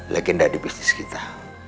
legenda di bisnis kita